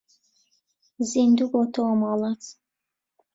زیندوو بۆتەوە ماڵات